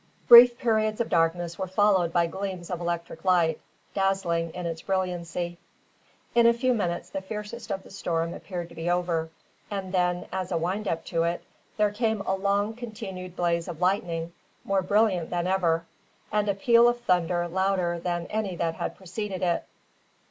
Brief periods of darkness were followed by gleams of electric light, dazzling in its brilliancy. In a few minutes the fiercest of the storm appeared to be over, and then, as a wind up to it, there came a long continued blaze of lightning, more brilliant than ever, and a peal of thunder louder than any that had preceded it.